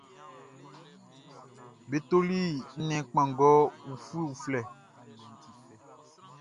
Be toli nnɛn kpanngɔ ufue uflɛ.